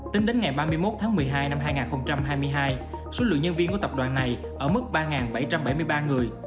tính đến ngày ba mươi một tháng một mươi hai năm hai nghìn hai mươi hai số lượng nhân viên của tập đoàn này ở mức ba bảy trăm bảy mươi ba người